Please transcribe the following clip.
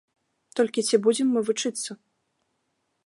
Толькі ці будзем мы вучыцца?